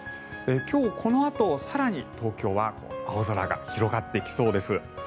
今日、このあと更に東京は青空が広がってきそうです。